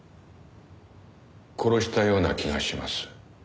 殺したような気がします。